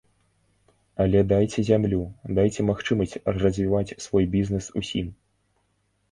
Але дайце зямлю, дайце магчымасць развіваць свой бізнес усім.